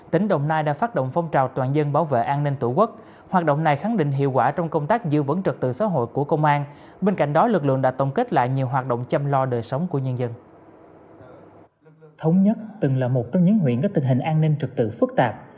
thống nhất từng là một trong những huyện có tình hình an ninh trực tự phức tạp